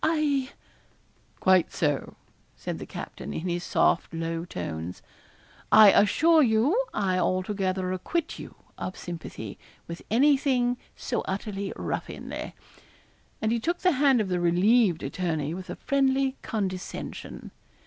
I ' 'Quite so,' said the captain, in his soft low tones. 'I assure you I altogether acquit you of sympathy with any thing so utterly ruffianly,' and he took the hand of the relieved attorney with a friendly condescension.